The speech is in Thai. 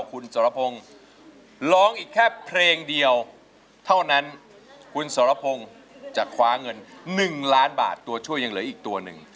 คุณสรพงศ์ร้องอีกแค่เพลงเดียวเท่านั้นคุณสรพงศ์จะคว้าเงิน๑ล้านบาทตัวช่วยยังเหลืออีกตัวหนึ่ง